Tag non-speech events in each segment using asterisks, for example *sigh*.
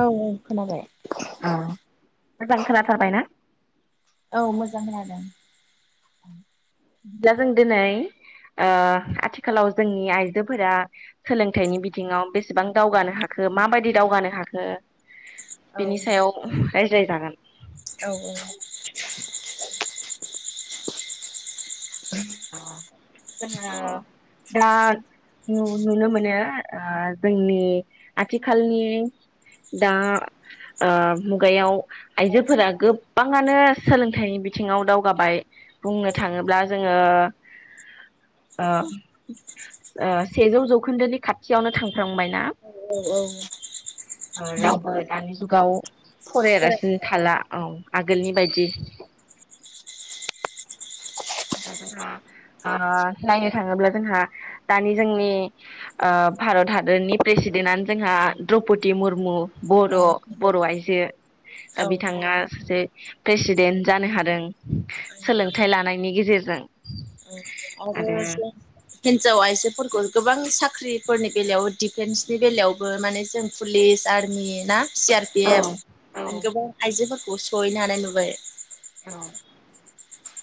औ खोनाबाय खोनाथारबायना औ मोजां खोनादों ब्ला जों दिनै आथिखालाव जोंनि आइजोफोरा सोलोंथाइनि बिथिङाव बेसेबां दावगानो हाखो माबायदि दावगानो हाखो औ बिनि सायाव *unintelligible* औ औ जोङो दा नु नुनो मोनो ओ जोंनि आथिखालनि दा ओ मुगायाव आइजोफोरा गोबाङानो सोलोंथाइनि बिथिङाव दावगाबाय बुंनो थाङोब्ला जों ओ ओ ओ सेजौ जौखोन्दोनि खाथियावनो थांफ्रामबायना रावबो दानि जुगाव फरायालासिन थाला औ आगोलनि बायदि दा जोंहा ओ नायनो थाङोब्ला जोंहा दानि जोंनि ओ भारत हादरनि प्रेसिडेन्टनो जोंहा द्रौपदी मुरमु बर' औ बर' आइजो औ दा बिथाङा सासे प्रेसिडेन्ट जानो हादों सोलोंथाइ लानायनि गेजे गेजेरजों आरो *unintelligible* फोरखौ गोबां साख्रिफोरनि बेलायाव डिफेन्सनि बेलायावबो माने जों पुलिस आर्मि ना सि आर पि औ एफ औ गोबां आइजोफोरखौ खौ सहैनो हानाय नुबाय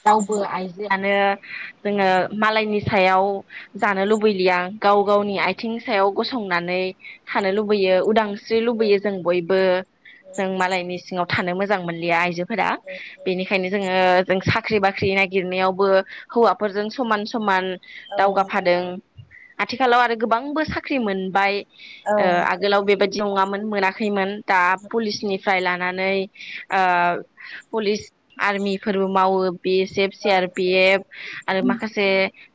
रावबो आइजोआानो जोंङो मालायनि सायाव जानो लुबैलिया गाव गावनि आइथिं सायाव गसंनानै थानो लुबैयो उदांस्रि लुबैयो जों बयबो जों मालायनि सिङाव थानो मोजां मोनलिया आइजोफोरा बेनिखायनो जोंङो जों साख्रि बाख्रि नागिरनायावबो हौवाफोरजों समान समान औ दावगाफादों आथिखालाव आरो गोबांबो साख्रि मोनबाय। ओ आगोलाव बेबायदि नंङामोन मोनाखैमोन दा पुलिसनिफ्राय लानानै ओ पुलिस आर्मिफोरबो मावो बि एस एफ औ सि आर पि एफ आरो माखासे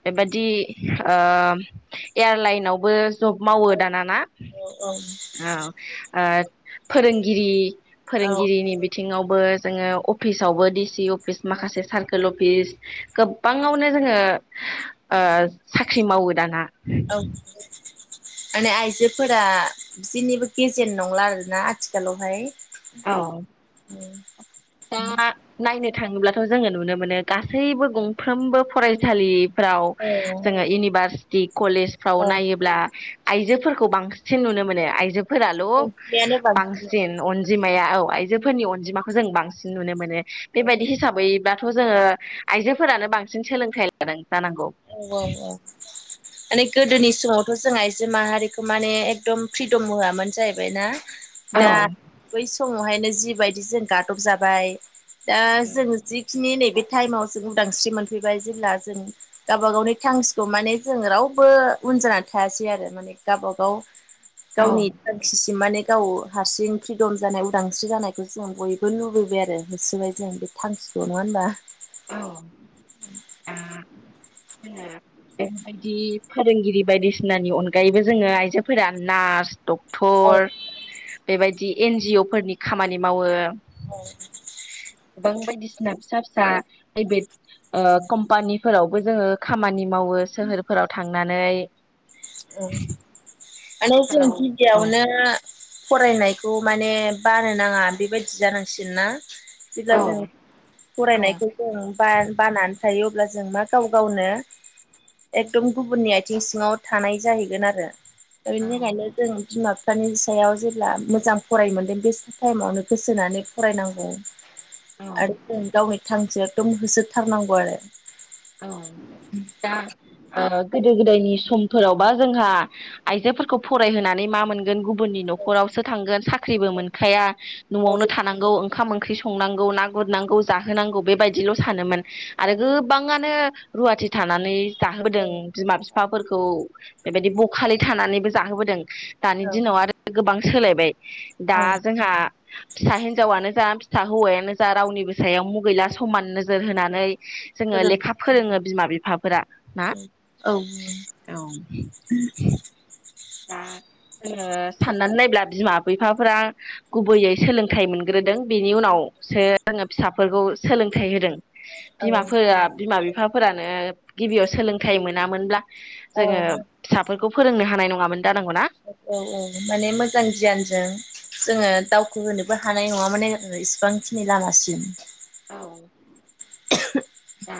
बेबादि ओ एयारलाइनावबो जब मावो दानाना ओ फोरोंगिरि औ फोरोंगिरिनि बिथिङावबो जोंङो अफिसावबो डिसि अफिस माखासे सारकोल अफिस गोबाङावनो जोंङो साख्रि मावो दाना औ माने आइजोफोरा जिनिबो गेजेन नंला आरोना आथिखालावहाय औ दा नायनो थाङोब्लाथ' जोंङो नुनो मोनो गासैबो गंफ्रोमबो फरायसालिफ्राव औ जोंङो इउनिभार्स *unintelligible* कलेजफ्राव नायोब्ला आइजोफोरखौ बांसिन नुनो मोनो आइजोफोराल' बांसिन अनजिमाया औ आइजोफोरनि अनजिमाखौ जों बांसिन सिन नुनो मोनो औ बेबायदि हिसाबैब्लाथ' जोंङो आइजोफोरानो बांसिन सोलोंथाइ लादों जानांगौ। औ औ औ *unintelligible* गोदोनि समावथ' जों आइजो माहारिखौ माने एकदम फ्रिदम होआमोन जाहैबायना दा बै समावहायनो जिबायदि जों गादब जाबाय दा जों जिखिनि नै बे टाइमाव जों उदांस्रि मोनफैबाय जेब्ला जों गावबा गावनि थांसखौ माने जों रावबो उन जानानै थायासै आरो माने गावबागाव गावनि थांखिसिम माने गाव हारसिं फ्रिदम जानाय उदांस्रि जानायखौ जों बयबो लुबैबाय आरो होसोबाय जों बे थांखिखौ नङा होनबा औ ओ ओ बेबायदि फोरोंगिरि बायदिसिनानि अनगायैबो जोंङो आइजोफोरा नार्स डक्ट औ थर बेबायदि एन जि अ फोरनि खामानि मावो औ गोबां बायदिसिना फिसा फिसा प्राइभेट ओ कम्पानिफोरावबो जोंङो खामानि मावो सोहोरफोराव थांनानै ओं आरो जों आथिखालाव औ गिबियावनो फरायनायखौ माने बानो नाङा बेबायदि जानांसिगोन ना। जेब्ला औ जों औ फरायनायखौ जों बा-बानान थायो अब्ला जों मा गाव गावनो एकदम गुबुननि आथिं सिङाव थानाय जाहैगोन आरो। दा बिनि थाखायनो जों बिमा फिफानि सायाव जेब्ला मोजां फराय मोनदों बे टाइमावनो गोसोनानै फरायनांगौ। औ आरो जों दावबाय *unintelligible* सो एखदम होसोथारनांगौ आरो। औ *inaudible* दा ओ गोदो गोदायनि समफोरावबा जोंहा आइजोफोरखौ फरायहोनानै मा मोनगोन गुबु बुननि न'खरावसो थांगोन सा ख्रिबो मोनखाया औ न'आवनो थानांगौ ओंखाम ओंख्रि स संनांगौ ना गुरनांगौ जाहोनांगौ बेबायदिल' सानोमोन। आरो गोब ओ रुवाथि थानानै जाहोबोदों बिमा बिफाफोरखौ बेबायदि बखालि थानानैबो जाहोबोदों दानि औ दिनाव आरो सोलायबाय दा औ जोंहा फिसा हेनजावानो जा फिसा हौवायानो जा रावनिबो सायाव मुगैला समान नोजोर होनानै जोङो फोरों लेखा फोरोङो बिमा बिफाफोरा ना। औ औ दा जोङो साननानै नायब्ला बिमा बिफाफोरा गुबैयै सोलोंथाइ मोनग्रोदों बेनि उनावसो जोङो फिसाफोरखौ सोलोंथाइ होदों। बिमाफोरा बिमा बिफाफोरानो गिबियाव सोलोंथाइ मोनामोनब्ला औ जोङो फिसाफोरखौ फोरोंनो हानाय नङामोन। जानांगौ ना औ औ माने मोजां गियानजों जोङो दावखो होनोबो हानाय नङा माने इसिबांखिनि लामासिम *inaudible* औ दा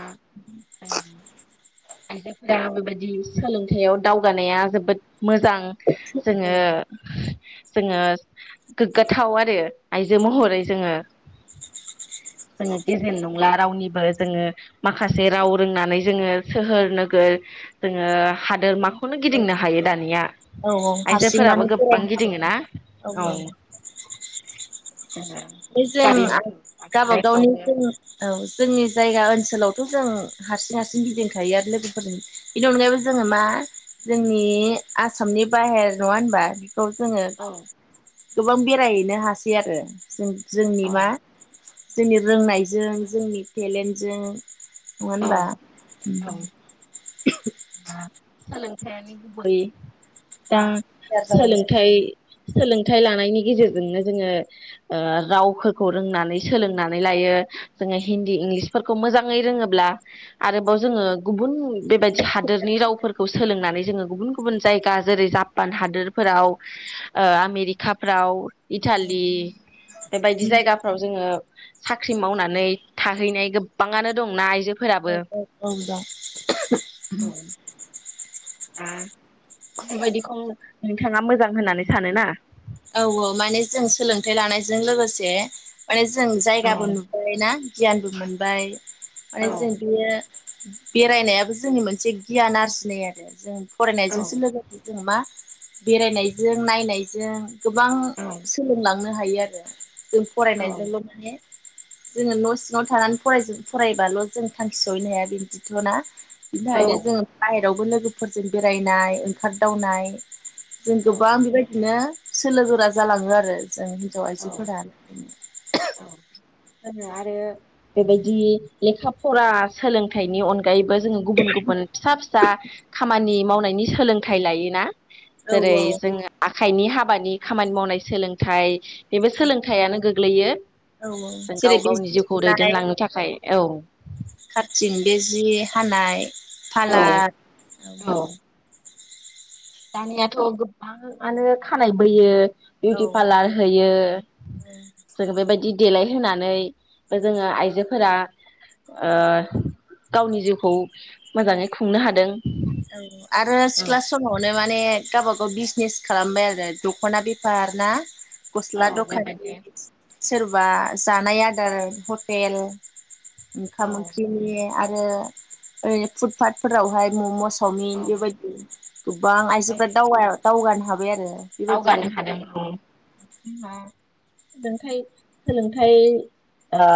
आइजोफोरा बेबायदि सोलोंथाइयाव दावगानाया जोबोद मोजां। जोङो औ जोङो गोग्गाथाव आरो आइजो महरै जोङो *inaudible* जोङो गेजेन नंला रावनिबो जोङो माखासे राव रोंनानै जोङो सोहोर नोगोर जोङो हादोर माखौनो गिदिंनो हायो दानिया। औ औ हारसिं आइजोफोराबो माने गोबां बेरायनो गिदिङोना हाबाय औ औ बे जों गारि आ मथर गावबागावनि जों ओं जोंनि जायगा ओनसोलावथ जों हारसिं हारसिं गिदिंखायो आरो लोगोफोरजों बेनि अनगायैबो जोङो मा जोंनि आसामनि बाहेर नङा होनबा खौ जोङो औ गोबां बेरायहैनो हासै आरो जों जोंनि औ मा जोंनि रोंनायजों जोंनि टेलेन्टजों नङा होनबा औ सोलोंथायानो गुबै दा सोलोंथाइ सोलोंथाइ लानायनि गेजेरजोंनो जोङो ओ रावफोरखौ रोंनानै सोलोंनानै लायो जोङो हिन्दी इंलिसफोरखौ मोजाङै रोङो ब्ला आरोबाव जोङो गुबुन बेबायदि हादोरनि रावफोरखौ सोलोंनानै जोङो गुबुन गुबुन जायगा जेरै जापान हादोरफ्राव ओ आमेरिकाफ्राव इटालि बेबायदि जायगाफ्राव जोङो साख्रि मावनानै थाहैनाय गोबाङानो दंना आइ *unintelligible* बेफोरबायदिखौ नोंथाङा मोजां होननानै सानोना औ औ माने जों सोलोंथाइ लानायजों लोगोसे माने जों जायगाबो नुबाय ना गियानबो मोनबाय *unintelligible* बेरायनायाबो जोंनि मोनसे गियान आरजिनाय आरो जों फरायनायजोंसो लोगोसे जों मा बेरायनायजों नायनायजों गोबां सोलोंलांनो हायो आरो जों फरायनायजोंल' माने जोङो न' सिङाव थानानै फराय फरायबाल' जों थांखि सहैनो हाया बिदिथ' ना बिनिखायनो जोङो जेरावबो लोगोफोरजों बेरायनाय ओंखारदावनाय जों गोबां बेबायदिनो सोलो गोरा जालाङो आरो जों हिन्जाव आइजोफोर आरो बेबायदि लेखा फरा सोलोंथाइनि अनगायैबो जोङो गुबुन गुबुन फिसा फिसा खामानि मावनायनि सोलोंथाइ लायोना औ जेरै औ जोङो आखाइनि हाबानि खामानि मावनाय सोलोंथाइ बेबो सोलोंथायाइयानो औ औ गोग्लैयो जेरै गाव गावनि बिजनेस जिउखौ मावनाय दैदेनलांनो थाखाय औ खारथिं बे जि हानाय औ फालार औ दानियाथ' गोबांङानो खानाय बोयो औ बिउटि पार्लार होयो फोर बेबायदि देलायहोनानै जोंङो आइजोफोरा ओ गावनि जिउखौ मोजांङै खुंनो हादों औ सिख्ला समावनो माने गावब गाव बिजनेस खालामबाय आरो दख'ना बेफार ना गस्ला दखानि सोरबा जानाय आदार हटेल ओंखाम ओंख्रिनि आरो ओरै फुदपाटफोरावहाय ममस चावमिन बेबायदि *unintelligible* हाबाय आरो बेबायदि दावगानोहादों ओ ओ सोलोंथाय सोलोंथाइ ओ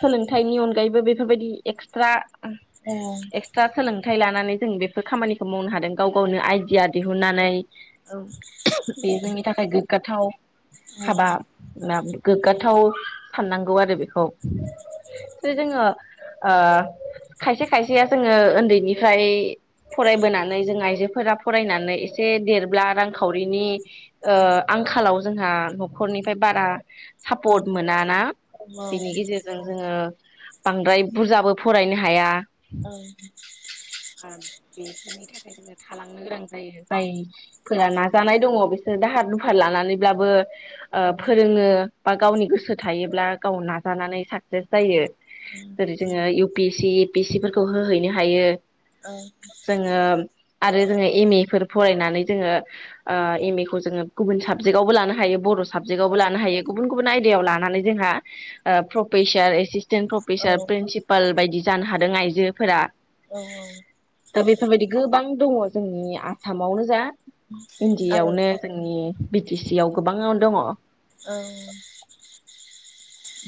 सोलोंथाइनि अनगायैबो बेफोरबायदि एक्सट्रा औ एक्सट्रा सोलों थाय लानानै जों बेफोर खामानिखौ मावनो हादों गाव गावनो आइडिया दिहुननानै औ बे जोंनि थाखाय गोगगाथाव हाबा ला गोगगाथाव साननांगौ आरो बेखौ जे जोंङो ओ खायसे खायसेया जोंङो उन्दैनिफ्राय फरायबोनानै जों आइजोफोरा फरायनानै एसे देरब्ला रां खावरिनि ओ आंखालाव जोंहा न'खरनिफ्राय बारा सापर्ट औ मोनाना बेनि गेजेरजों जोंङो बांद्राय बुरजाबो फरायनो हाया औ बेनि थाखाय जोङो थालांनो गोनां जायो जायफोरा नाजानाय दङ बिसोरो दाहार दुफार लानानैब्लाबो ओ औ फोरोंङो बा गावनि गोसो थायोब्ला गाव नाजानानै साक्सेस जायो औ जेरै जोंङो U P S C A P S C फोरखौ होहैनो हायो। औ। जोङो आरो जोङो एम ए फोर फरायनानै जोङो ओ एम ए खौ जोङो गुबुन साबजेक्टआवबो लानो हायो बर' औ साबजेक्टआवबो लानो हायो गुबुन गुबुन आयदायाव लानानै जोंहा ओ प्रफेसार एसेस तेन औ प्रफेसार प्रिनसिपाल बायदि जानो हादों आइजोफोरा। औ औ। दा बेफोरबायदि गोबां दङ' जोंनि आसामावनो जा इन्दियावनो जोंनि बि टि सि आव गोबाङाव दङ'। औ।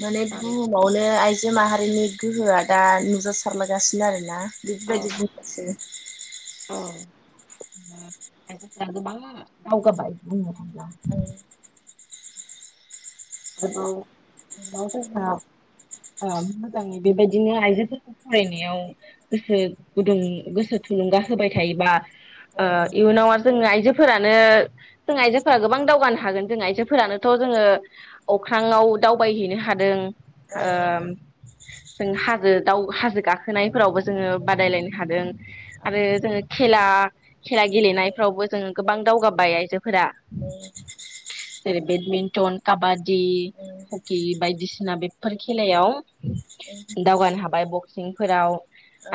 माने बुहुमावनो आइजो माहारि रिनि गोहोआ दा नुजासारलायगासिनो आरोना। *unintelligible* औ आयफोरा गोबां दावगाबाय बुंनो थांब्ला। औ आरोबाव जोंहा ओ मोजाङै बेबायदिनो आइजोफोरखौ फरायनायाव गोसो गुदुं गोसो थुलुंगा होबाय थायोबा औ ओ इयुनाव आरो जों आइजोफोरानो जों आइजोफोरा गोबां दावगानो हागोन जों आइजोफोरानोथ' जोङो अख्राङाव दावबायहैनो हादों औ ओ जों हाजो दाव हाजो गाखोनायफोरावबो जोङो बादायलायनो हादों औ आरो जोङो खेला खेला गेलेनायफ्रावबो जोङो गोबां दावगाबाय आइजोफोरा जेरै बेडमिन्टन काबा दि हकि बायदिसिना बेफोर खेलायाव दावगानो हाबाय बक्सिंफोराव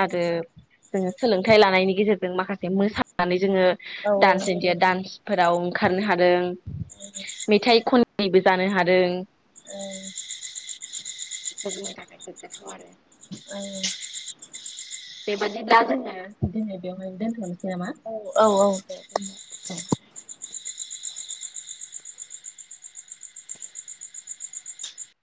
आरो औ औ जोंङो सोलोंथाइ लानायनि गेजेरजों माखासे मोसानानै जोंङो औ दान्स इणडिया दडान्सफोराव ओंखारनो हादों मेथाइ खनगिरिबो जानो हा दों जोंनि थाखाय गोग्गाथाव आरो बेबादिब्ला जोंङो दिनै बेवहाय दोनथ'नोसै नामा? औ औ औ दे। *inaudible*